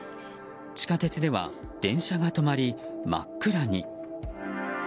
地下鉄では電車が止まり真っ暗に。